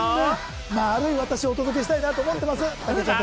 まあるい私をお届けしたいなと思っています。